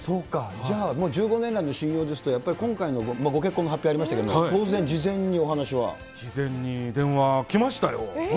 じゃあもう１５年来の親友ですと、今回のご結婚の発表ありましたけど、事前に電話来ましたよ。